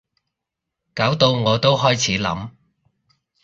搞到我都開始諗